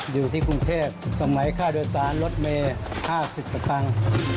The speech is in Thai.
อยู่ที่กรุงเทพสมัยค่าโดยสารรถเมย์๕๐กว่าตังค์